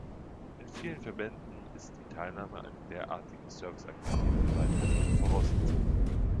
In vielen Verbänden ist die Teilnahme an derartigen Serviceaktivitäten weiterhin eine Voraussetzung.